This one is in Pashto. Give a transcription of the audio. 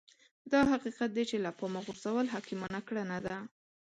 دا حقيقت دی چې له پامه غورځول حکيمانه کړنه ده.